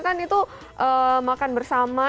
kan itu makan bersama